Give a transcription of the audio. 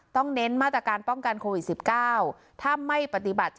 ต้องเน้นมาตรการป้องกันโควิด๑๙